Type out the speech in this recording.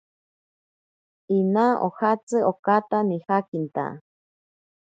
Inaa ojatsi okaata nijakinta.